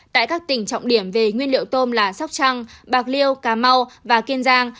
tại các tỉnh trọng điểm về nguyên liệu tôm là sóc trăng bạc liêu cà mau và kiên giang